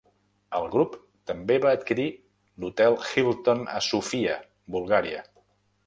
El grup també va adquirir l'Hotel Hilton a Sofia (Bulgària).